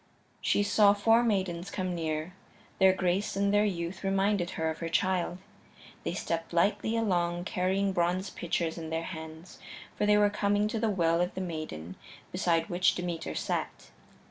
She saw four maidens come near; their grace and their youth reminded her of her child. They stepped lightly along, carrying bronze pitchers in their hands, for they were coming to the Well of the Maiden beside which Demeter sat.